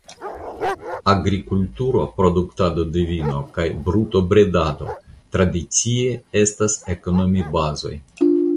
Agrikulturo (produktado de vino) kaj brutobredado tradicie estas ekonomibazoj.